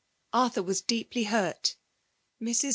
Arthur waa deeply hurt. Mrs.